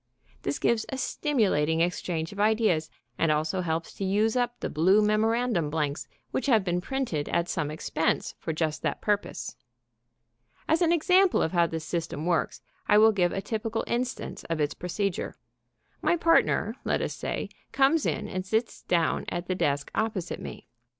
This gives a stimulating exchange of ideas, and also helps to use up the blue memorandum blanks which have been printed at some expense for just that purpose. As an example of how this system works, I will give a typical instance of its procedure. My partner, let us say, comes in and sits down at the desk opposite me.